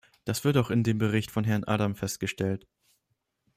Das wird auch in dem Bericht von Herrn Adam festgestellt.